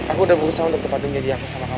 aku udah berusaha untuk tempatin jadi aku sama kamu